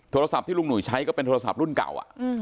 โทรศัพท์ที่ลุงหนุ่ยใช้ก็เป็นโทรศัพท์รุ่นเก่า